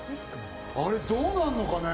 あれ、どうなるのかね？